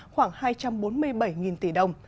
khoảng hai trăm bốn mươi bảy tỷ đồng